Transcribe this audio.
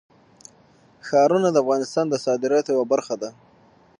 ښارونه د افغانستان د صادراتو یوه برخه ده.